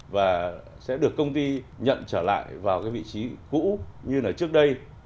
và sẽ được công ty nhận trở lại vào vị trí cũ như trước đây